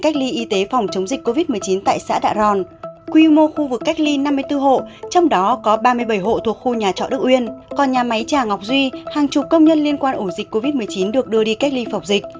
còn nhà máy trà ngọc duy hàng chục công nhân liên quan ổ dịch covid một mươi chín được đưa đi cách ly phọc dịch